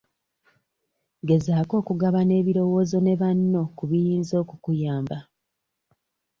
Gezaako okugabana ebirowoozo ne banno ku biyinza okubayamba.